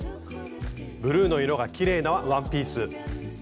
ブルーの色がきれいなワンピース。